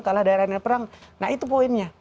kalah dari arena perang nah itu poinnya